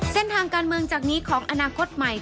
เส้นทางการเมืองจากนี้ของอนาคตใหม่